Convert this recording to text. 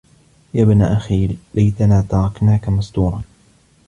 يَا ابْنَ أَخِي لَيْتَنَا تَرَكْنَاك مَسْتُورًا